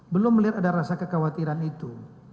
belum melihat ada rasa kekhawatiran itu